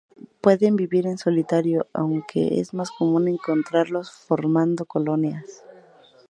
Pueden vivir en solitario aunque es más común encontrarlos formando colonias.